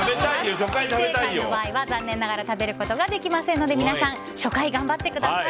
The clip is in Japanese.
不正解の場合は、残念ながら食べることができませんので皆さん初回頑張ってください。